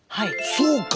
そうか！